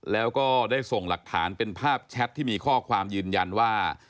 แล้วก็ได้ส่งหลักฐานเป็นภาพแชทที่มีข้อความยืนยันว่า